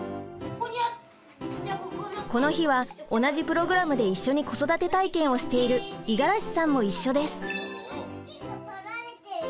この日は同じプログラムで一緒に子育て体験をしている五十嵐さんも一緒です。